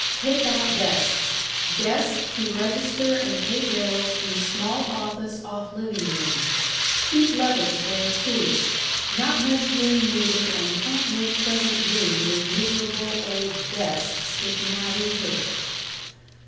Take out desks guests to register and pay bills in small office off living room keep letters there, too. Not much room needed and can't make pleasant room with miserable old 'desk' sticking out into it.